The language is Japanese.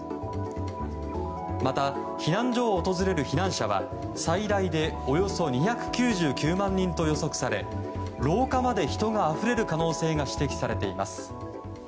また、避難所を訪れる避難者は最大でおよそ２９９万人と予測され廊下まで人があふれる可能性が指摘されています。